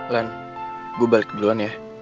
lan gue balik duluan ya